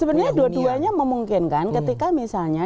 sebenarnya dua duanya memungkinkan ketika misalnya